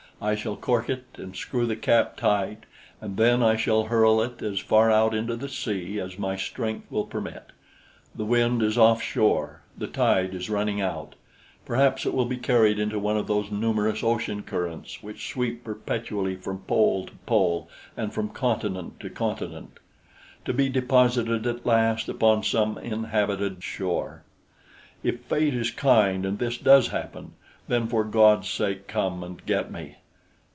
I shall cork it and screw the cap tight, and then I shall hurl it as far out into the sea as my strength will permit. The wind is off shore; the tide is running out; perhaps it will be carried into one of those numerous ocean currents which sweep perpetually from pole to pole and from continent to continent, to be deposited at last upon some inhabited shore. If fate is kind and this does happen, then, for God's sake, come and get me!